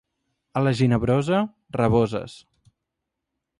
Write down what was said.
A la Ginebrosa, raboses.